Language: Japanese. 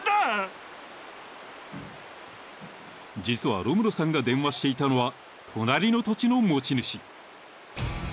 ［実はロムロさんが電話していたのは隣の土地の持ち主］